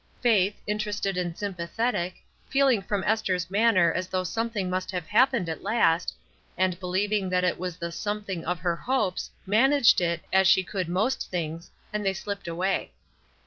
Faith, interested and sympathetic, feehng from Esther's manner as though something must have happened at last, and believing that it was the something of her hopes, managed it, as she could most things, and they slipped away.